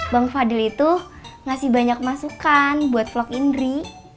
bang fadil itu ngasih banyak masukan buat vlog indri